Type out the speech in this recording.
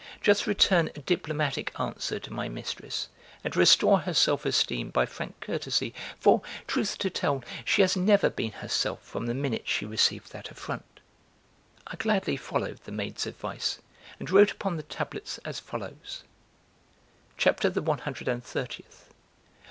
Just return a diplomatic answer to my mistress and restore her self esteem by frank courtesy for, truth to tell, she has never been herself from the minute she received that affront." I gladly followed the maid's advice and wrote upon the tablets as follows: CHAPTER THE ONE HUNDRED AND THIRTIETH.